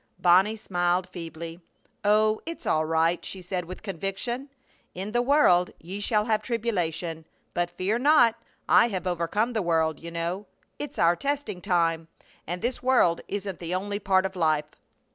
Bonnie smiled feebly. "Oh, it's all right!" she said, with conviction. "'In the world ye shall have tribulation, but fear not, I have overcome the world,' you know. It's our testing time, and this world isn't the only part of life."